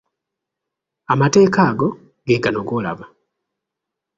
Amateka ago ge gano g'olaba.